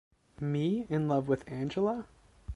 Me in love with Angela?